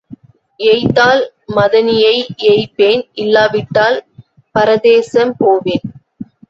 ஏய்த்தால் மதனியை ஏய்ப்பேன் இல்லாவிட்டால் பரதேசம் போவேன்.